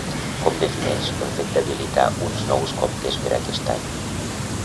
Com defineix el fet d'habilitar uns nous comptes per a aquest any?